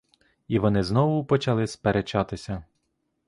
І вони знову почали сперечатися.